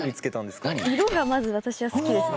色がまず私は好きですね。